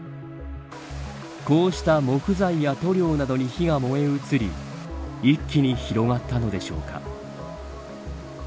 こうした木材や塗料などに火が燃え移り一気に広がったのでしょうか。